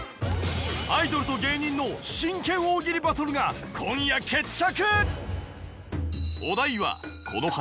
アイドルと芸人の真剣大喜利バトルが今夜決着！